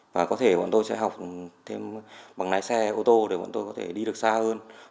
và có thể bọn tôi sẽ học thêm bằng lái xe ô tô để bọn tôi có thể đi được xa hơn